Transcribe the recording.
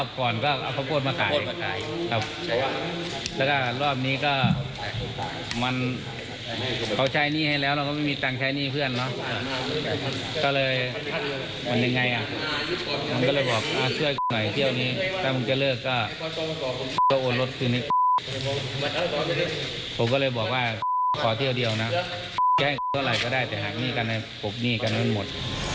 ผมก็เลยบอกว่าขอเที่ยวเดียวนะแก้อะไรก็ได้แต่หากหนี้กันให้ปกหนี้กันกันหมด